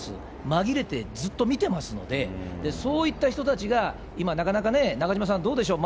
まぎれて、ずっと見てますので、そういった人たちが今、なかなかね、中島さん、どうでしょう？